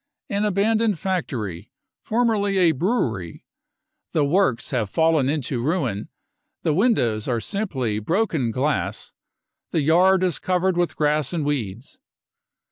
" An abandoned factory, formerly a brewery : the works have fallen into ruin, the windows are simply broken glass, the yard is covered with grass and weeds.